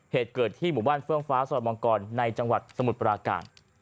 เหตุเกิดที่หมู่บ้านเฟื่องฟ้าซอยมังกรในจังหวัดสมุทรปราการ